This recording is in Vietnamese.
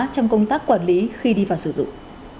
trong công tác quản lý khi đi vào sử dụng